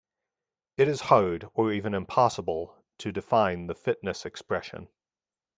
It is hard or even impossible to define the fitness expression.